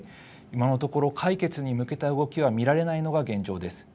今のところ解決に向けた動きは見られないのが現状です。